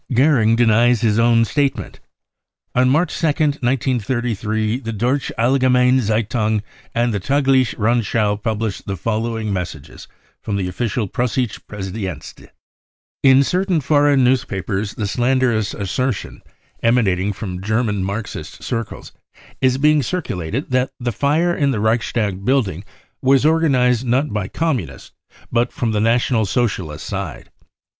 Goering denies his own Statement. On March 2nd, 1 933, the Deutsche Ailgemeine Zeitung and the Tagliche Rundschau published the following message from the official Preussische Pressedienst :" In certain foreign newspapers the slanderous assertion, emanating from German Marxist circles, is being circu lated that the fee in the Reichstag building was organised not by Communists but from the National Socialist side.